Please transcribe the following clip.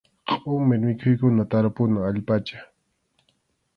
Qʼumir mikhuykuna tarpuna allpacha.